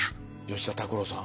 吉田拓郎さん。